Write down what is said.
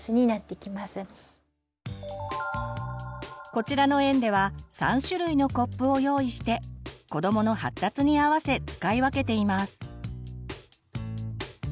こちらの園では３種類のコップを用意して子どもの発達に合わせ使い分けています。